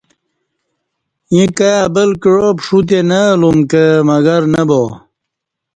ییں کائی ابل کعا پݜوتے نہ الُم کہ مگر نہ با